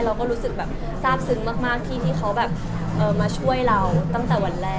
เราก็รู้สึกแบบทราบซึ้งมากที่เขาแบบมาช่วยเราตั้งแต่วันแรก